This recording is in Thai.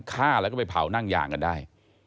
ฆ่าแล้วก็ไปเผานั่งยางกันได้